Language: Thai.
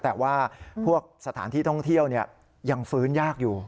แต่ว่าพวกสถานที่ท่องเที่ยวยังฟื้นยากอยู่